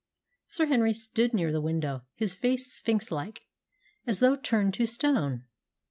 Sir Henry stood near the window, his face sphinx like, as though turned to stone.